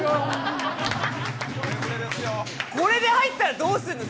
これで１０００入ったらどうするの？